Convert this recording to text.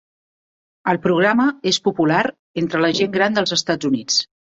El programa és popular entre la gent gran dels Estats Units.